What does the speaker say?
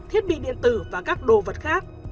thiết bị điện tử và các đồ vật khác